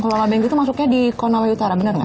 kalau labengki itu masuknya di konawa utara benar nggak